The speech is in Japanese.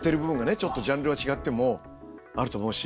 ちょっとジャンルは違ってもあると思うし。